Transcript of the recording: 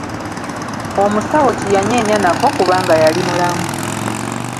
Omusawo tiyanyeenya nako kubanga yali mulamu.